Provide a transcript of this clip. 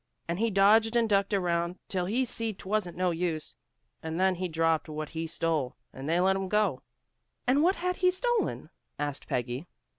And he dodged and ducked around till he see 'twasn't no use, and then he dropped what he'd stole and they let him go." "And what had he stolen?" asked Peggy.